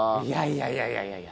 いやいやいやいや。